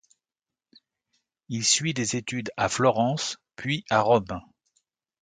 Il suit des études à Florence puis à Rome.